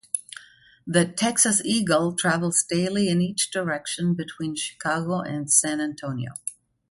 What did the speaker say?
The "Texas Eagle" travels daily in each direction between Chicago and San Antonio.